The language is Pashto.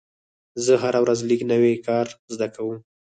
زه هره ورځ لږ نوی کار زده کوم.